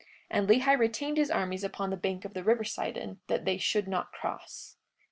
And Lehi retained his armies upon the bank of the river Sidon that they should not cross.